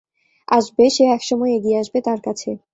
আসবে, সে এক সময় এগিয়ে আসবে তার কাছে।